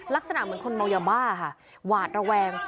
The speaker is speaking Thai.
ลักษณะเหมือนคนเมายาบ้าค่ะหวาดระแวง